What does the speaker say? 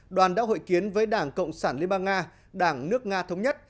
đoàn đã hội kiến với đảng cộng sản liên bang nga đảng nước nga thống nhất